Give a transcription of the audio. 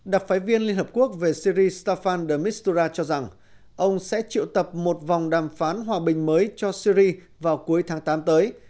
đặc phái viên liên hợp quốc về syri stafan de mistura cho rằng ông sẽ triệu tập một vòng đàm phán hòa bình mới cho syri vào cuối tháng tám tới